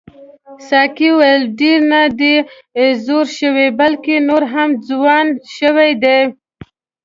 ساقي وویل ډېر نه دی زوړ شوی بلکې نور هم ځوان شوی دی.